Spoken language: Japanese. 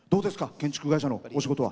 建築会社のお仕事は。